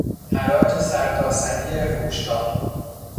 حراج سرتاسری فروشگاه